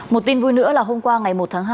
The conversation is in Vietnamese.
một tin vui nữa là hôm qua ngày một tháng hai